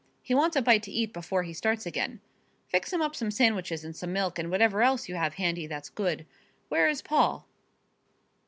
He wants a bite to eat before he starts again. Fix him up some sandwiches and some milk, and whatever else you have handy that's good. Where is Paul?"